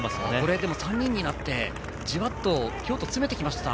でも３人になってじわっと京都、詰めてきましたね。